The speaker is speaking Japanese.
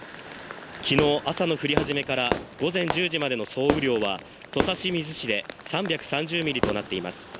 きのう、朝の降り始めから午前１０時までの総雨量は土佐清水市で３３０ミリとなっています。